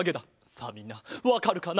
さあみんなわかるかな？